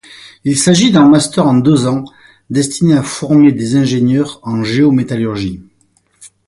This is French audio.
Il s'agit d'un master en deux ans destiné à former des ingénieurs en géométallurgie.